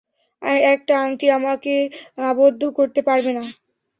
একটা আংটি আমাকে, আবদ্ধ করতে পারবে না।